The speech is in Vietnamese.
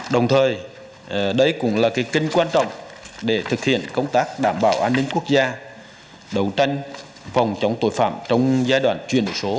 đồng thời đây cũng là cái kênh quan trọng để thực hiện công tác đảm bảo an ninh quốc gia đấu tranh phòng chống tội phạm trong giai đoạn chuyển đổi số